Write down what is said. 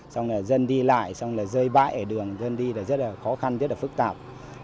xong là dân đi lại xong là rơi bãi ở đường dân đi là rất là khó khăn rất là phức tạp